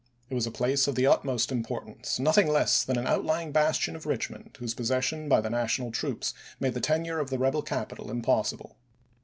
It was a place of the utmost importance, nothing less than an outlying bastion of Eichmond, whose possession by the National troops made the tenure of the rebel capital impos sible.